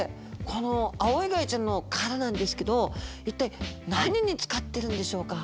このアオイガイちゃんの殻なんですけど一体何に使ってるんでしょうか？